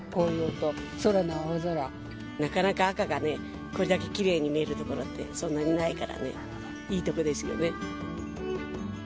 なかなか赤がね、これだけきれいに見える所って、そんなにないからね、いい所ですよね。